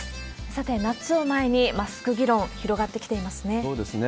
さて、夏を前に、マスク議論、広がってきていますね。